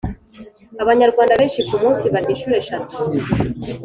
abanyarwanda benshi ku munsi barya inshuro eshatu